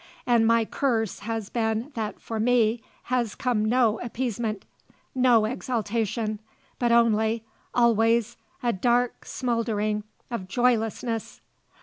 And my curse has been that for me has come no appeasement, no exaltation, but only, always, a dark smouldering of joylessness.